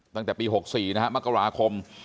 ตั้งแต่ปี๖๔นะฮะมกราคม